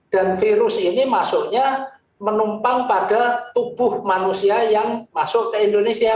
dan virus ini masuknya menumpang pada tubuh manusia yang masuk ke indonesia